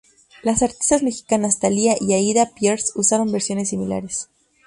Las artistas mexicanas Thalía y Aida Pierce usaron versiones similares.